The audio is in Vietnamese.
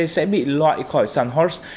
sẽ bị loại khỏi sản horses